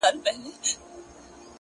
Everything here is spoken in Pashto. • ه ستا د غزل سور له تورو غرو را اوړي،